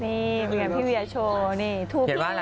นี่เป็นไงพี่เวียโชว์